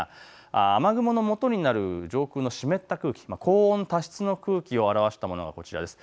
雨雲のもとになる上空の湿った空気、高温多湿の空気を表したものがこちらです。